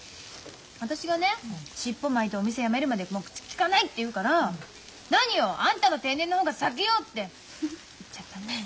私がね尻尾巻いてお店辞めるまで口きかないって言うから「何よあんたの定年の方が先よ」って言っちゃったんだよね。